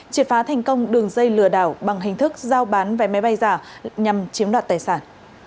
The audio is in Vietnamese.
triệt phá thành công đường dây lừa đảo bằng hình thức giao bán vé máy bay giả nhằm chiếm đoạt tài sản